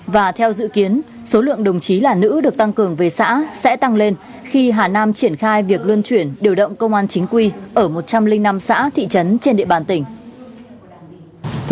và theo dự kiến số lượng đồng chí là nữ được tăng cường về xã sẽ tăng lên khi hà nam triển khai việc luân chuyển điều động công an chính quy ở một trăm linh năm xã thị trấn trên địa bàn tỉnh